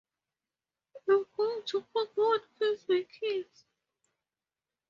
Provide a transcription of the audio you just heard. I'm going to conquer what kills my kids.